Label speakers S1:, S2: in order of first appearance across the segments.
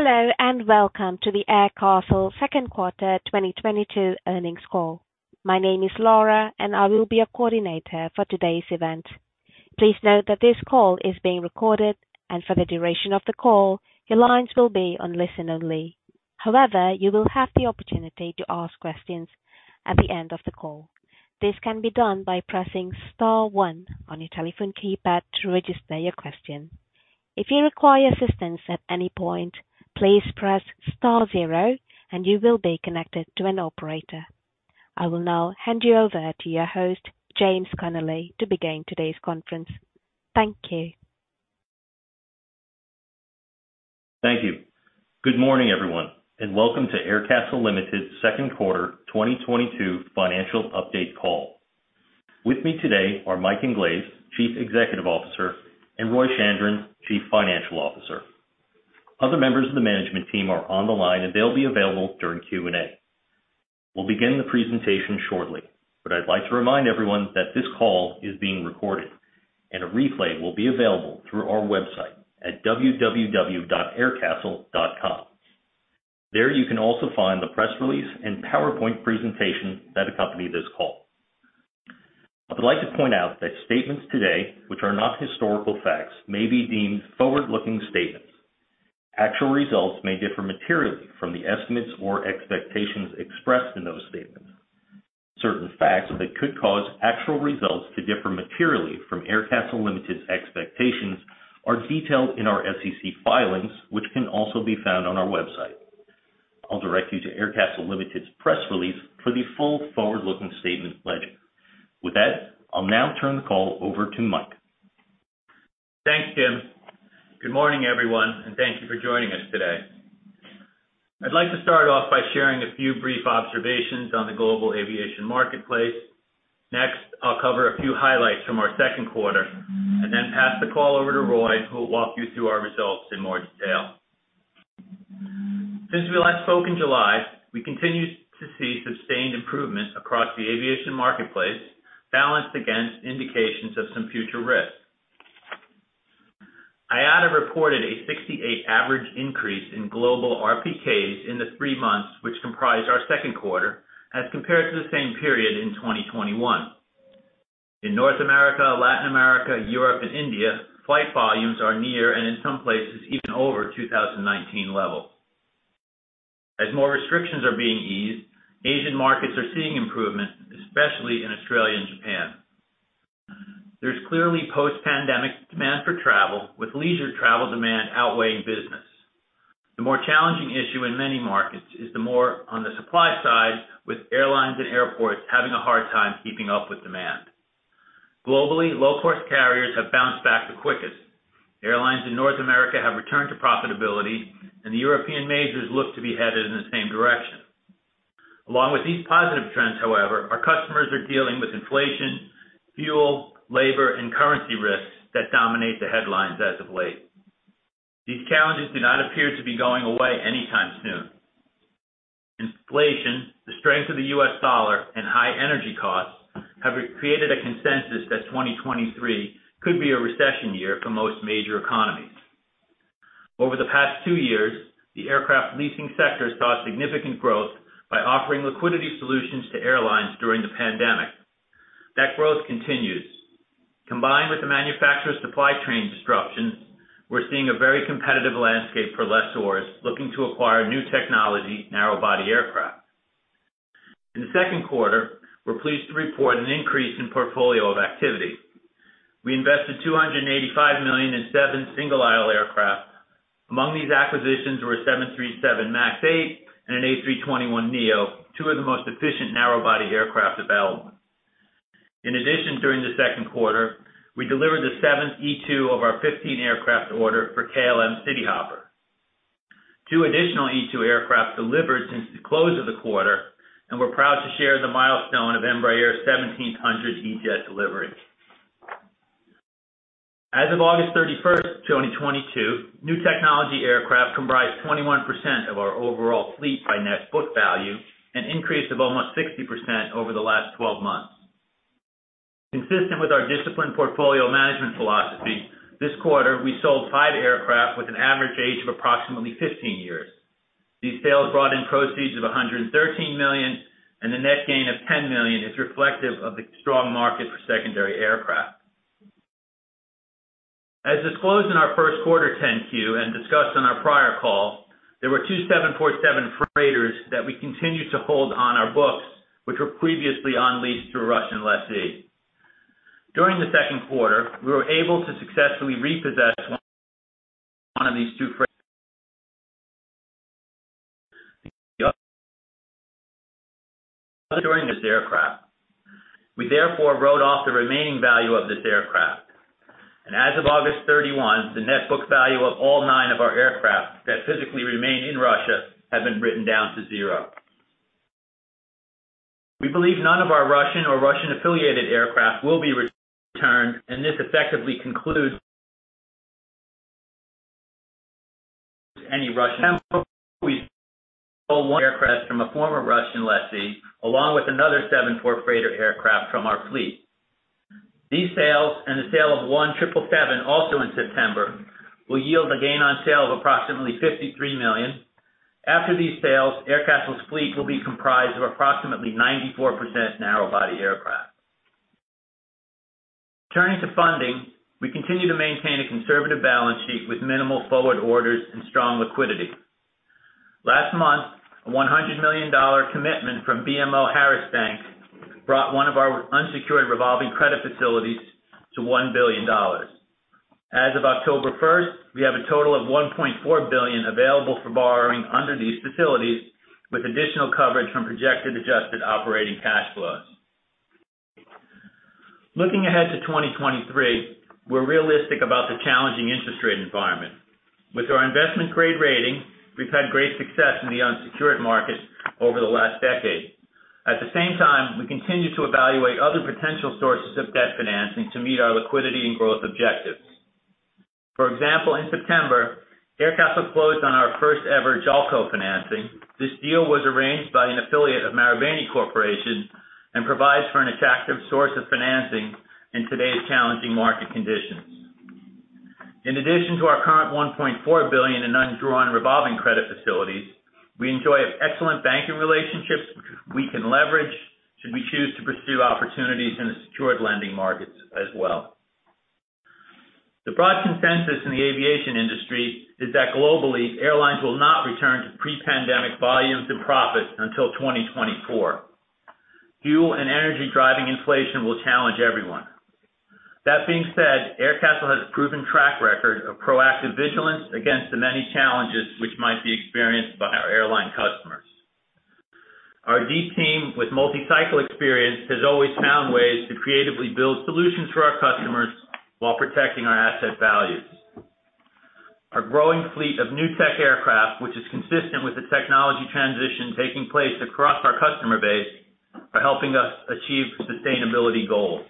S1: Hello, and welcome to the Aircastle second quarter 2022 earnings call. My name is Laura, and I will be your coordinator for today's event. Please note that this call is being recorded, and for the duration of the call, your lines will be on listen-only. However, you will have the opportunity to ask questions at the end of the call. This can be done by pressing star one on your telephone keypad to register your question. If you require assistance at any point, please press star zero and you will be connected to an operator. I will now hand you over to your host, James Connelly, to begin today's conference. Thank you.
S2: Thank you. Good morning, everyone, and welcome to Aircastle Limited second quarter 2022 financial update call. With me today are Mike Inglese, Chief Executive Officer, and Roy Chandran, Chief Financial Officer. Other members of the management team are on the line, and they'll be available during Q&A. We'll begin the presentation shortly, but I'd like to remind everyone that this call is being recorded, and a replay will be available through our website at www.aircastle.com. There, you can also find the press release and PowerPoint presentation that accompany this call. I would like to point out that statements today which are not historical facts may be deemed forward-looking statements. Actual results may differ materially from the estimates or expectations expressed in those statements. Certain facts that could cause actual results to differ materially from Aircastle Limited's expectations are detailed in our SEC filings, which can also be found on our website. I'll direct you to Aircastle Limited's press release for the full forward-looking statement pledge. With that, I'll now turn the call over to Mike.
S3: Thanks, James. Good morning, everyone, and thank you for joining us today. I'd like to start off by sharing a few brief observations on the global aviation marketplace. Next, I'll cover a few highlights from our second quarter and then pass the call over to Roy, who will walk you through our results in more detail. Since we last spoke in July, we continue to see sustained improvement across the aviation marketplace, balanced against indications of some future risks. IATA reported a 68% average increase in global RPK in the three months, which comprised our second quarter as compared to the same period in 2021. In North America, Latin America, Europe and India, flight volumes are near, and in some places, even over 2019 levels. As more restrictions are being eased, Asian markets are seeing improvement, especially in Australia and Japan. There's clearly post-pandemic demand for travel, with leisure travel demand outweighing business. The more challenging issue in many markets is more on the supply side, with airlines and airports having a hard time keeping up with demand. Globally, low cost carriers have bounced back the quickest. Airlines in North America have returned to profitability, and the European majors look to be headed in the same direction. Along with these positive trends, however, our customers are dealing with inflation, fuel, labor, and currency risks that dominate the headlines as of late. These challenges do not appear to be going away anytime soon. Inflation, the strength of the U.S. dollar, and high energy costs have created a consensus that 2023 could be a recession year for most major economies. Over the past two years, the aircraft leasing sector saw significant growth by offering liquidity solutions to airlines during the pandemic. That growth continues. Combined with the manufacturer's supply chain disruptions, we're seeing a very competitive landscape for lessors looking to acquire new-technology narrow-body aircraft. In the second quarter, we're pleased to report an increase in portfolio of activity. We invested $285 million in seven single-aisle aircraft. Among these acquisitions were a 737 MAX 8 and an A321neo, two of the most efficient narrow-body aircraft available. In addition, during the second quarter, we delivered the 7th E195-E2 of our 15-aircraft order for KLM Cityhopper. Two additional E195-E2 aircraft delivered since the close of the quarter, and we're proud to share the milestone of Embraer's 1,700th E-Jet delivery. As of August 31st, 2022, new-technology aircraft comprised 21% of our overall fleet by net book value, an increase of almost 60% over the last 12 months. Consistent with our disciplined portfolio management philosophy, this quarter we sold five aircraft with an average age of approximately 15 years. These sales brought in proceeds of $113 million, and the net gain of $10 million is reflective of the strong market for secondary aircraft. As disclosed in our first quarter 10-Q and discussed on our prior call, there were two 747 freighters that we continued to hold on our books, which were previously on lease to a Russian lessee. During the second quarter, we were able to successfully repossess one of these two freighters. We therefore wrote off the remaining value of this aircraft. As of August 31, the net book value of all nine of our aircraft that physically remain in Russia have been written down to zero. We believe none of our Russian or Russian-affiliated aircraft will be returned, and this effectively concludes any Russian aircraft from a former Russian lessee, along with another 747 freighter aircraft from our fleet. These sales and the sale of one 777 also in September will yield a gain on sale of approximately $53 million. After these sales, Aircastle's fleet will be comprised of approximately 94% narrow body aircraft. Turning to funding, we continue to maintain a conservative balance sheet with minimal forward orders and strong liquidity. Last month, a $100 million commitment from BMO Harris Bank brought one of our unsecured revolving credit facilities to $1 billion. As of October 1st, we have a total of $1.4 billion available for borrowing under these facilities, with additional coverage from projected adjusted operating cash flows. Looking ahead to 2023, we're realistic about the challenging interest rate environment. With our investment-grade rating, we've had great success in the unsecured market over the last decade. At the same time, we continue to evaluate other potential sources of debt financing to meet our liquidity and growth objectives. For example, in September, Aircastle closed on our first ever JOLCO financing. This deal was arranged by an affiliate of Marubeni Corporation, and provides for an attractive source of financing in today's challenging market conditions. In addition to our current $1.4 billion in undrawn revolving credit facilities, we enjoy excellent banking relationships which we can leverage should we choose to pursue opportunities in the secured lending markets as well. The broad consensus in the aviation industry is that globally, airlines will not return to pre-pandemic volumes and profits until 2024. Fuel and energy driving inflation will challenge everyone. That being said, Aircastle has a proven track record of proactive vigilance against the many challenges which might be experienced by our airline customers. Our deep team with multi-cycle experience has always found ways to creatively build solutions for our customers while protecting our asset values. Our growing fleet of new tech aircraft, which is consistent with the technology transition taking place across our customer base, are helping us achieve sustainability goals.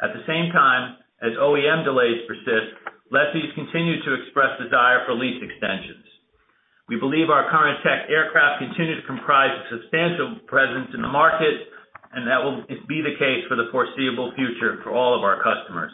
S3: At the same time, as OEM delays persist, lessees continue to express desire for lease extensions. We believe our current tech aircraft continue to comprise a substantial presence in the market, and that will be the case for the foreseeable future for all of our customers.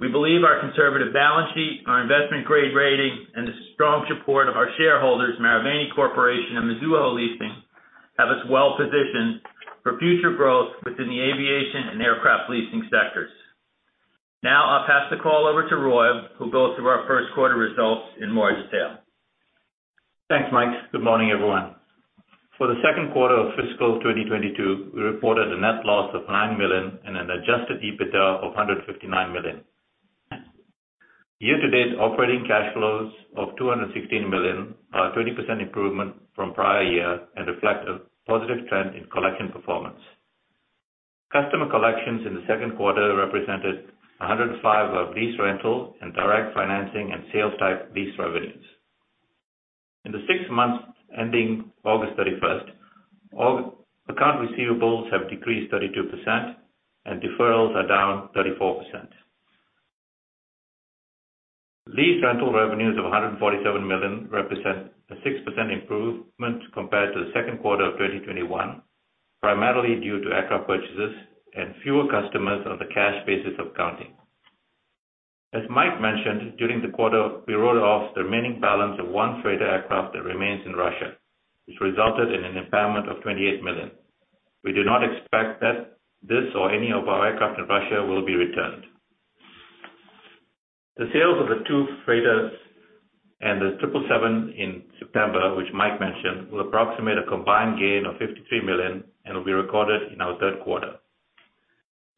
S3: We believe our conservative balance sheet, our investment-grade rating, and the strong support of our shareholders, Marubeni Corporation and Mizuho Leasing, have us well positioned for future growth within the aviation and aircraft leasing sectors. Now, I'll pass the call over to Roy, who'll go through our first quarter results in more detail.
S4: Thanks, Mike. Good morning, everyone. For the second quarter of fiscal 2022, we reported a net loss of $9 million and an adjusted EBITDA of $159 million. Year-to-date operating cash flows of $216 million are a 20% improvement from prior year and reflect a positive trend in collection performance. Customer collections in the second quarter represented 105% of lease rental and direct financing and sales type lease revenues. In the six months ending August 31st, accounts receivable have decreased 32% and deferrals are down 34%. Lease rental revenues of $147 million represent a 6% improvement compared to the second quarter of 2021, primarily due to aircraft purchases and fewer customers on the cash basis of accounting. As Mike mentioned, during the quarter, we wrote off the remaining balance of one freighter aircraft that remains in Russia, which resulted in an impairment of $28 million. We do not expect that this or any of our aircraft in Russia will be returned. The sales of the two freighters and the 777 in September, which Mike mentioned, will approximate a combined gain of $53 million and will be recorded in our third quarter.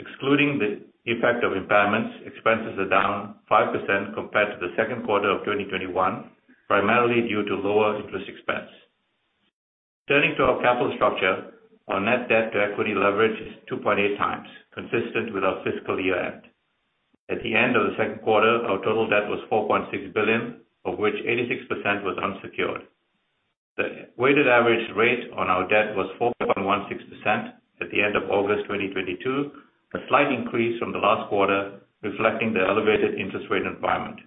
S4: Excluding the effect of impairments, expenses are down 5% compared to the second quarter of 2021, primarily due to lower interest expense. Turning to our capital structure, our net debt to equity leverage is 2.8x, consistent with our fiscal year end. At the end of the second quarter, our total debt was $4.6 billion, of which 86% was unsecured. The weighted average rate on our debt was 4.16% at the end of August 2022, a slight increase from the last quarter, reflecting the elevated interest rate environment.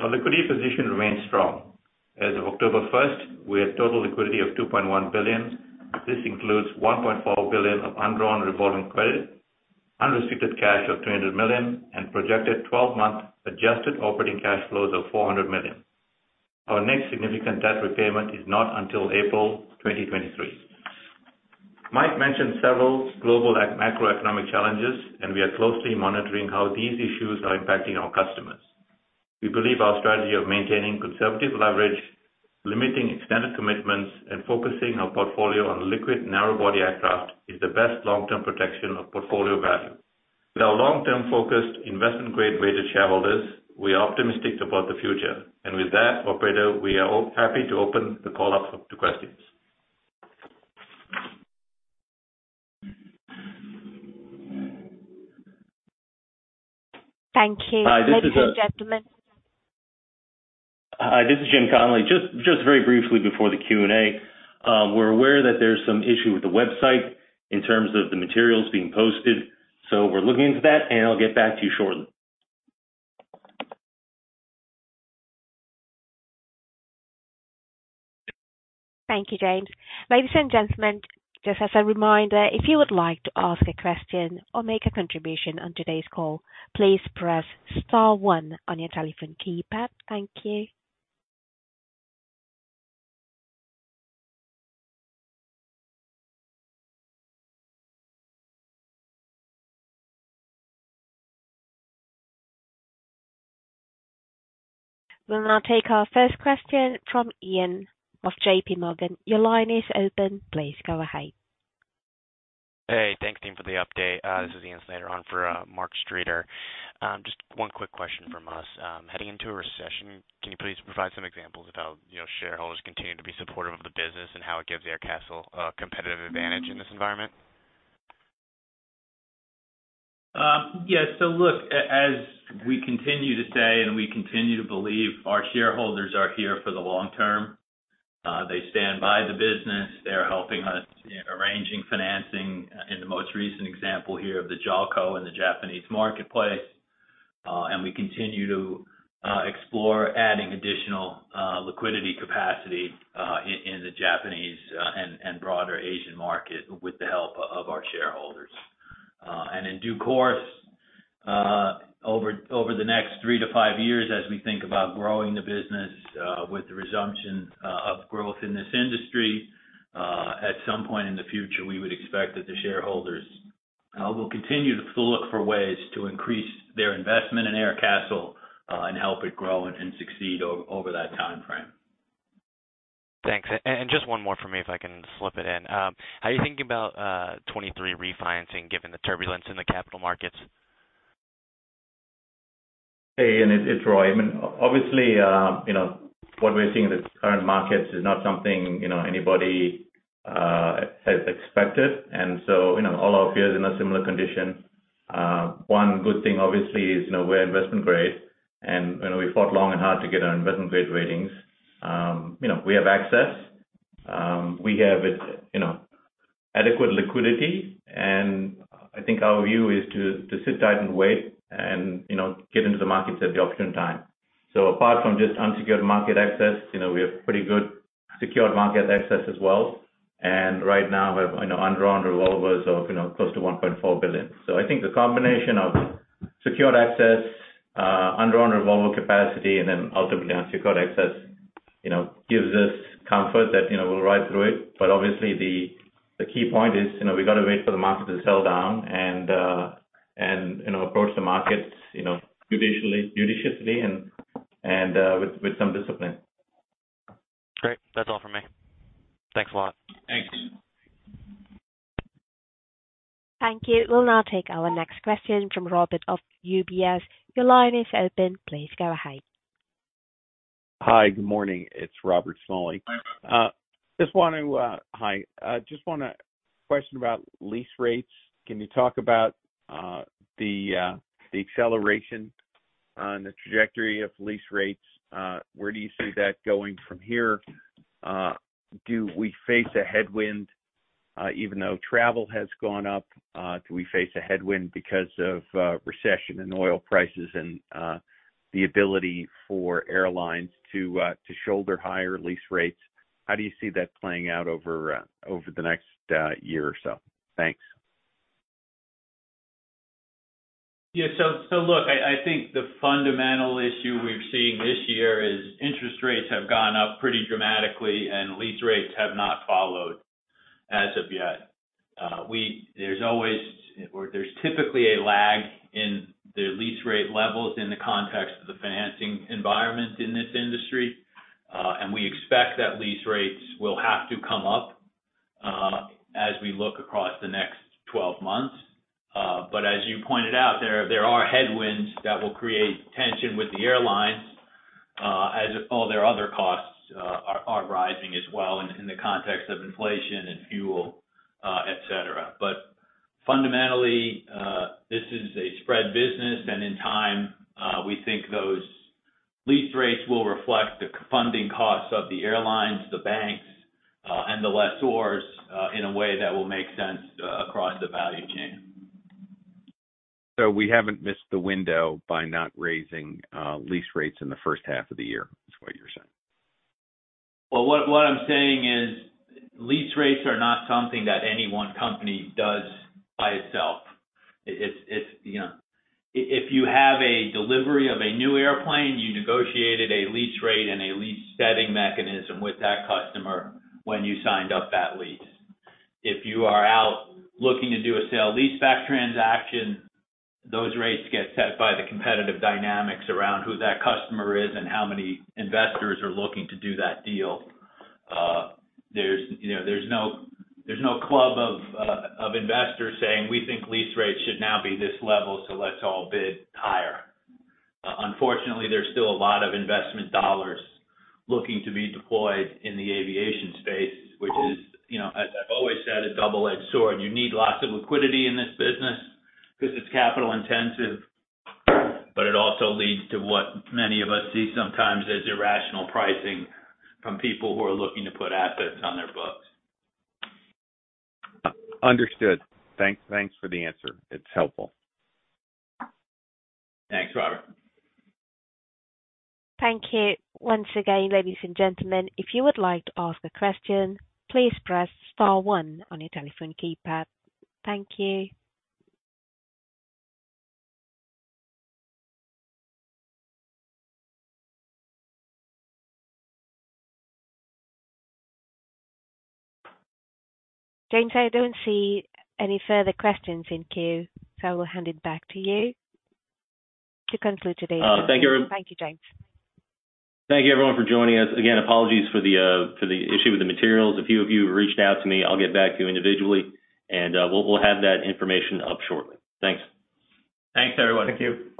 S4: Our liquidity position remains strong. As of October 1st, we had total liquidity of $2.1 billion. This includes $1.4 billion of undrawn revolving credit, unrestricted cash of $200 million, and projected 12-month adjusted operating cash flows of $400 million. Our next significant debt repayment is not until April 2023. Mike mentioned several global macroeconomic challenges, and we are closely monitoring how these issues are impacting our customers. We believe our strategy of maintaining conservative leverage, limiting extended commitments, and focusing our portfolio on liquid narrow body aircraft is the best long-term protection of portfolio value. With our long-term focused investment-grade rated shareholders, we are optimistic about the future. With that, operator, we are all happy to open the call up to questions.
S1: Thank you.
S2: Hi, this is.
S1: Ladies and gentlemen.
S2: Hi, this is James Connelly. Just very briefly before the Q&A. We're aware that there's some issue with the website in terms of the materials being posted. We're looking into that, and I'll get back to you shortly.
S1: Thank you, James. Ladies and gentlemen, just as a reminder, if you would like to ask a question or make a contribution on today's call, please press star one on your telephone keypad. Thank you. We'll now take our first question from Ian of JPMorgan. Your line is open. Please go ahead.
S5: Hey, thanks team for the update. This is Ian Slater on for Mark Streeter. Just one quick question from us. Heading into a recession, can you please provide some examples of how, you know, shareholders continue to be supportive of the business and how it gives Aircastle a competitive advantage in this environment?
S3: Yes. Look, as we continue to say and we continue to believe our shareholders are here for the long term. They stand by the business. They're helping us in arranging financing in the most recent example here of the JOLCO in the Japanese marketplace. We continue to explore adding additional liquidity capacity in the Japanese and broader Asian market with the help of our shareholders. In due course, over the next three to five years, as we think about growing the business with the resumption of growth in this industry, at some point in the future, we would expect that the shareholders will continue to look for ways to increase their investment in Aircastle and help it grow and succeed over that timeframe.
S5: Thanks. Just one more for me, if I can slip it in. How are you thinking about 2023 refinancing given the turbulence in the capital markets?
S4: Hey, Ian, it's Roy. I mean, obviously, you know, what we are seeing in the current markets is not something, you know, anybody has expected. You know, all our peers are in a similar condition. One good thing obviously is, you know, we're investment grade, and you know, we fought long and hard to get our investment grade ratings. You know, we have access. We have, you know, adequate liquidity. I think our view is to sit tight and wait and, you know, get into the markets at the opportune time. Apart from just unsecured market access, you know, we have pretty good secured market access as well. Right now we have, you know, undrawn revolvers of, you know, close to $1.4 billion. I think the combination of secured access, undrawn revolver capacity, and then ultimately unsecured access, you know, gives us comfort that, you know, we'll ride through it. Obviously the key point is, you know, we've got to wait for the market to settle down and, you know, approach the markets, you know, judiciously and with some discipline.
S5: Great. That's all for me. Thanks a lot.
S4: Thanks.
S1: Thank you. We'll now take our next question from Robert Smalley of UBS. Your line is open. Please go ahead.
S6: Hi. Good morning. It's Robert Smalley. I just want to question about lease rates. Can you talk about the acceleration on the trajectory of lease rates? Where do you see that going from here? Do we face a headwind even though travel has gone up? Do we face a headwind because of recession and oil prices and the ability for airlines to shoulder higher lease rates? How do you see that playing out over the next year or so? Thanks.
S3: Yeah. Look, I think the fundamental issue we're seeing this year is interest rates have gone up pretty dramatically and lease rates have not followed as of yet. There's typically a lag in the lease rate levels in the context of the financing environment in this industry. We expect that lease rates will have to come up, as we look across the next 12 months. As you pointed out, there are headwinds that will create tension with the airlines, as all their other costs are rising as well in the context of inflation and fuel, et cetera. Fundamentally, this is a spread business, and in time, we think those lease rates will reflect the funding costs of the airlines, the banks, and the lessors, in a way that will make sense across the value chain.
S6: We haven't missed the window by not raising lease rates in the first half of the year, is what you're saying?
S3: What I'm saying is lease rates are not something that any one company does by itself. It's, you know, if you have a delivery of a new airplane, you negotiated a lease rate and a lease setting mechanism with that customer when you signed up that lease. If you are out looking to do a sale leaseback transaction, those rates get set by the competitive dynamics around who that customer is and how many investors are looking to do that deal. There's no club of investors saying, "We think lease rates should now be this level, so let's all bid higher." Unfortunately, there's still a lot of investment dollars looking to be deployed in the aviation space, which is, you know, as I've always said, a double-edged sword. You need lots of liquidity in this business because it's capital intensive, but it also leads to what many of us see sometimes as irrational pricing from people who are looking to put assets on their books.
S6: Understood. Thanks for the answer. It's helpful.
S3: Thanks, Robert.
S1: Thank you. Once again, ladies and gentlemen, if you would like to ask a question, please press star one on your telephone keypad. Thank you. James, I don't see any further questions in queue, so I will hand it back to you to conclude today's.
S2: Thank you, everyone.
S1: Thank you, James.
S2: Thank you, everyone, for joining us. Again, apologies for the issue with the materials. A few of you reached out to me. I'll get back to you individually, and we'll have that information up shortly. Thanks.
S4: Thanks, everyone. Thank you.